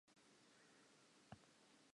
Mmele wa sekgo o kwahetswe ke boya.